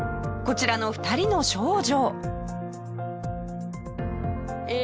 こちらの２人の少女。